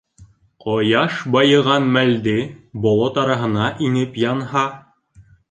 Ҡояш байыған мәлде болот араһына инеп янһа